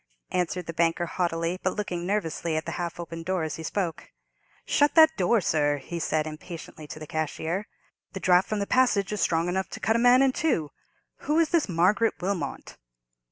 answered the banker, haughtily, but looking nervously at the half opened door as he spoke. "Shut that door, sir!" he said, impatiently, to the cashier; "the draught from the passage is strong enough to cut a man in two. Who is this Margaret Wilmot?"